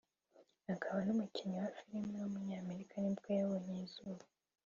akaba n’umukinnyi wa film w’umunyamerika nibwo yabonye izuba